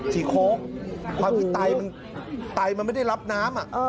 สีโค้กคือไตมันไม่ได้รับน้ำ